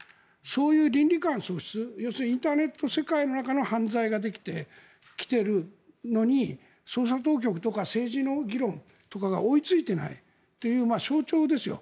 そういう倫理観要するにインターネット世界の中の犯罪ができてきているのに捜査当局とか政治の議論とかが追いついていないそういう象徴ですよ。